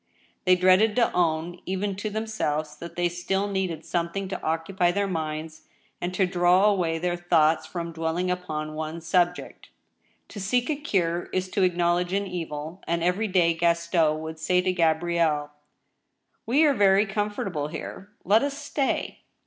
They dreaded to own, even to themselves, that they Still needed something to occupy their minds and to draw away their thoughts from dwelling upon one subject. To seek a cure is to acknowledge an evil, and every day Gaston would say to Gabrielle :" We are very comfortable here — let us stay."